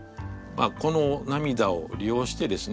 この涙を利用してですね